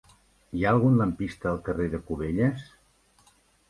Hi ha algun lampista al carrer de Cubelles?